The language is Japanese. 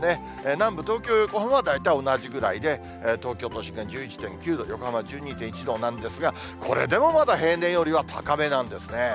南部、東京、横浜は大体同じくらいで、東京都心が１１．９度、横浜１２．１度なんですが、これでもまだ平年よりは高めなんですね。